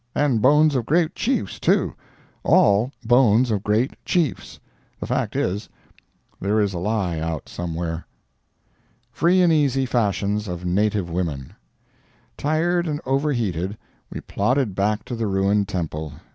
—and bones of great Chiefs, too—all bones of great Chiefs. The fact is, there is a lie out somewhere. FREE AND EASY FASHIONS OF NATIVE WOMEN Tired and over heated, we plodded back to the ruined temple.